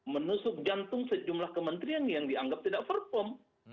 menusuk jantung sejumlah kementerian yang dianggap tidak perform